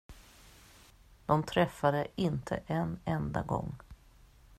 De träffade inte en enda gång!